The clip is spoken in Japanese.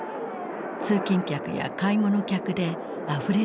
通勤客や買い物客であふれ返っている。